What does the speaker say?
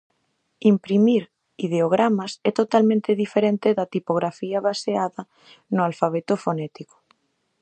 Imprimir ideogramas é totalmente diferente da tipografía baseada no alfabeto fonético.